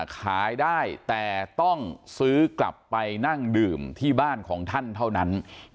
ขายได้แต่ต้องซื้อกลับไปนั่งดื่มที่บ้านของท่านเท่านั้น